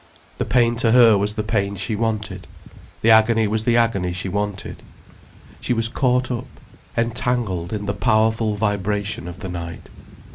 The pain to her was the pain she wanted, the agony was the agony she wanted. She was caught up, entangled in the powerful vibration of the night.